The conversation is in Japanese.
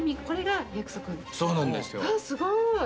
すごい！